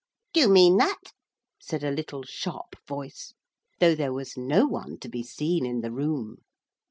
'Do you mean that,' said a little sharp voice, though there was no one to be seen in the room.